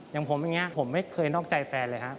อย่างผมอย่างนี้ผมไม่เคยนอกใจแฟนเลยครับ